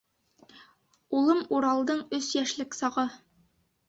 Улым Уралдың өс йәшлек сағы.